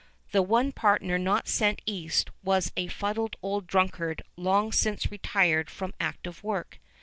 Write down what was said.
The one partner not sent east was a fuddled old drunkard long since retired from active work.